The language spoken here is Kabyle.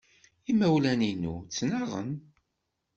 Imawlan-inu ttnaɣen.